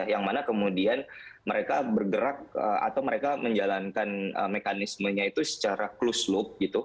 yang mana kemudian mereka bergerak atau mereka menjalankan mekanismenya itu secara close loop